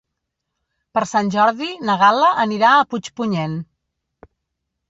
Per Sant Jordi na Gal·la anirà a Puigpunyent.